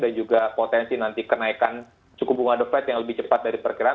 dan juga potensi nanti kenaikan cukup bunga deflate yang lebih cepat dari perkiraan